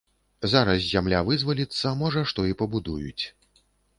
Зараз зямля вызваліцца, можа што і пабудуюць.